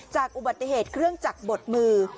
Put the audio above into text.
จากอุบัติเหตุเครื่องจักรบดมือ